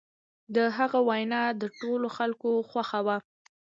د هغه وینا د ټولو خلکو خوښه وه.